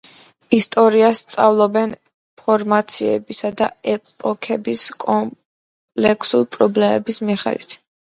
ისტორიას სწავლობენ ფორმაციებისა და ეპოქების, კომპლექსური პრობლემების მიხედვით.